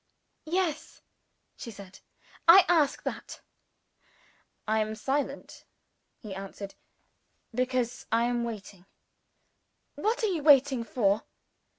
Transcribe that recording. "Yes," she said, "I ask that." "I am silent," he answered, "because I am waiting." "What are you waiting for?"